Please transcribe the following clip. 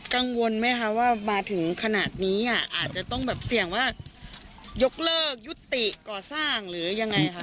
กังวลไหมคะว่ามาถึงขนาดนี้อ่ะอาจจะต้องแบบเสี่ยงว่ายกเลิกยุติก่อสร้างหรือยังไงค่ะ